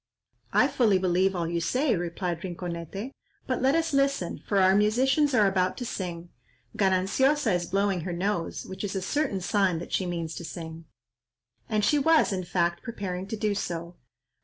"I fully believe all you say," replied Rinconete, "but let us listen, for our musicians are about to sing. Gananciosa is blowing her nose, which is a certain sign that she means to sing." And she was, in fact, preparing to do so.